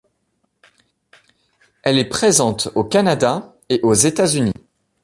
Elle est présente au Canada et aux États-Unis.